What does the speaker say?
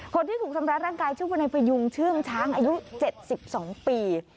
คนที่ถูกทำร้ายร่างกายชื่อว่านายพยุงเชื่องช้างอายุ๗๒ปี